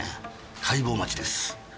解剖待ちです。